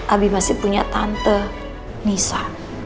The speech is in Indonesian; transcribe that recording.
abi masih punya tante nisa